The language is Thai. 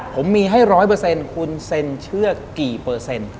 ผมมีให้๑๐๐คุณเซนเชื่อกี่เปอร์เซ็นต์